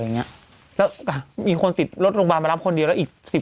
อย่างเงี้ยแล้วอ่ะมีคนติดรถโรงพยาบาลมารับคนเดียวแล้วอีกสิบ